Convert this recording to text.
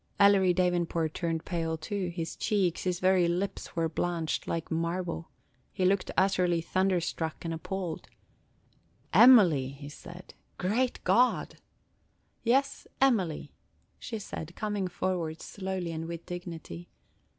Ellery Davenport turned pale too; his cheeks, his very lips were blanched like marble; he looked utterly thunderstruck and appalled. "Emily!" he said. "Great God!" "Yes, Emily!" she said, coming forward slowly and with dignity.